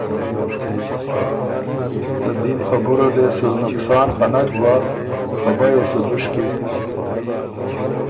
ته دیم خبُره دې سو نقصان خه بَۀ، خه بَۀ يې سو دُشکی،